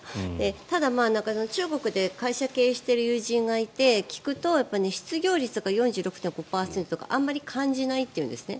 ただ、中国で会社を経営している友人がいて聞くと、失業率が４６．５％とあまり感じないというんですね。